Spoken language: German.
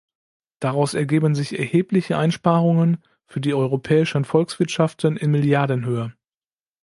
Daraus ergeben sich erhebliche Einsparungen für die europäischen Volkswirtschaften in Milliardenhöhe.